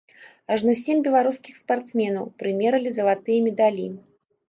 Ажно сем беларускіх спартсменаў прымералі залатыя медалі.